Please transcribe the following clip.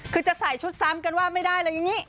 คือจะใส่ชุดซ้ำกันว่าไม่ได้เลยอย่างนี้